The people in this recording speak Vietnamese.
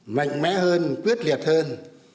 mạnh mẽ hơn quyết liệt hơn